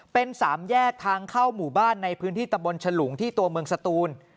เป็นสามแยกทางเข้าหมู่บ้านในพื้นที่ตะบนฉลุงที่ตัวเมืองสตูน